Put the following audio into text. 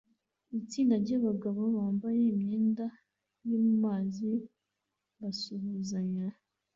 Itsinda ryabagabo bambaye imyenda yo mu mazi basuhuzanya